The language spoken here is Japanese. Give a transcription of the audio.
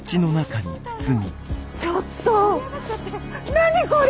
何これ！？